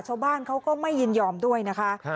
ชาวบ้านเขาก็ไม่ยินยอมด้วยนะคะ